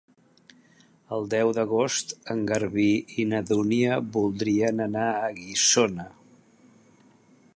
El deu d'agost en Garbí i na Dúnia voldrien anar a Guissona.